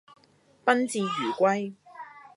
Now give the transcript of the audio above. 賓至如歸